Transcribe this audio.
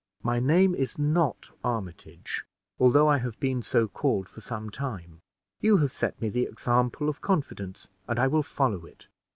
My name is not Armitage, although I have been so called for some time. You have set me the example of confidence, and I will follow it.